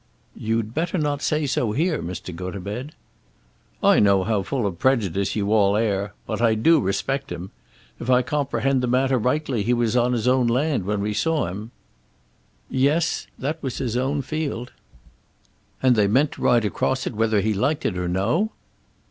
"You'd better not say so here, Mr. Gotobed." "I know how full of prejudice you all air', but I do respect him. If I comprehend the matter rightly, he was on his own land when we saw him." "Yes; that was his own field." "And they meant to ride across it whether he liked it or no?"